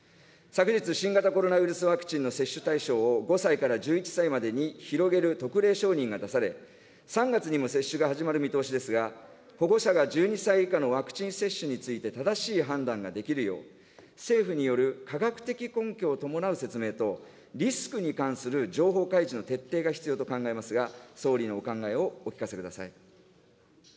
昨日新型コロナウイルスのワクチンの接種対象を５歳から１１歳までに広げる特例承認が出され、３月にも接種が始まる見通しですが、保護者が１２歳以下のワクチン接種について正しい判断ができるよう、政府による科学的根拠を伴う説明と、リスクに関する情報開示の徹底が必要と考えますが、総理のお考えをお聞かせください。